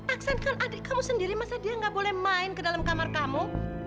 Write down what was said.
aksenkan adik kamu sendiri masa dia gak boleh main ke dalam kamar kamu